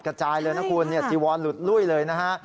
กระจายเลยนะคุณจีวอนหลุดลุ้ยเลยนะฮะ